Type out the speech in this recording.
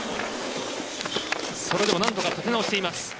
それでも何とか立て直しています。